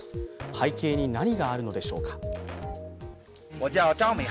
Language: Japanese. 背景に何があるのでしょうか。